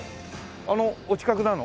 あのお近くなの？